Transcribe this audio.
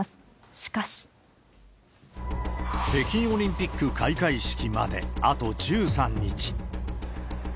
オリンピック開会式まであと１３日。